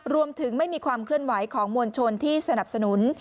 รวมถึงไม่มีความเคลื่อนไหวของมวลชนที่สนับสนุน